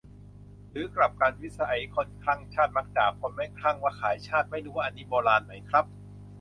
หรือกลับกัน "วิสัยคนคลั่งชาติมักด่าคนไม่คลั่งว่าขายชาติ" ? ไม่รู้ว่าอันนี้ 'โบราณ' ไหมครับ